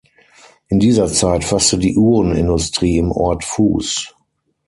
In dieser Zeit fasste die Uhrenindustrie im Ort Fuss.